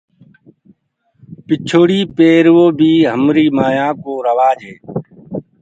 پِڇوڙي پيروو بي همري مايانٚ ڪو روآج هي۔